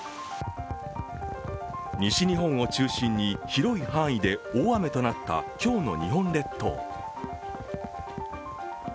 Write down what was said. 西日本を中心に広い範囲で大雨となった今日の日本列島。